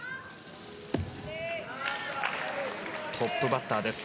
トップバッターです